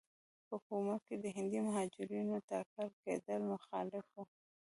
په حکومت کې د هندي مهاجرینو ټاکل کېدل مخالف وو.